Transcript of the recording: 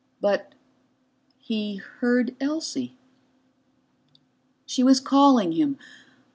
But he heard Elsie. She was calling him.